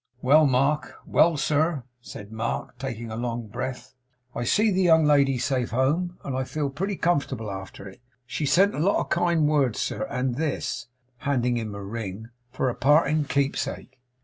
'Well, Mark!' 'Well, sir,' said Mark, taking a long breath, 'I see the young lady safe home, and I feel pretty comfortable after it. She sent a lot of kind words, sir, and this,' handing him a ring, 'for a parting keepsake.